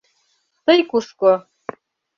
— Тый кушко?